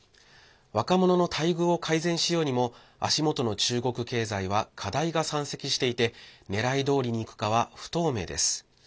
若者の待遇を改善しようにも足元の中国経済は課題が山積していてねらいどおりにいくかは不透明です。